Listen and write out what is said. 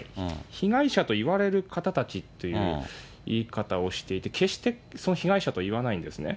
被害者といわれる方たちっていう言い方をしていて、決して被害者と言わないんですね。